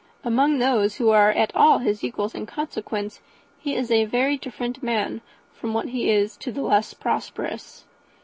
Among those who are at all his equals in consequence, he is a very different man from what he is to the less prosperous.